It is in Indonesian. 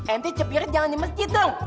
ente cepirin jangan di masjid dong